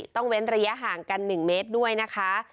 เว้นระยะห่างกัน๑เมตรด้วยนะคะ